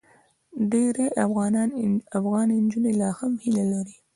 ډېری افغان نجونې لا هم هیله لري.